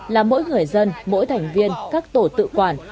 là mỗi người dân mỗi thành viên các tổ tự quản